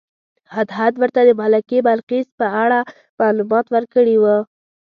هدهد ورته د ملکې بلقیس په اړه معلومات ورکړي وو.